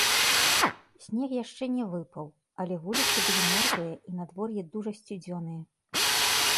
Снег яшчэ не выпаў, але вуліцы былі мёрзлыя і надвор'е дужа сцюдзёнае.